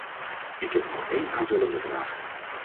Ik heb nog één aanvullende vraag.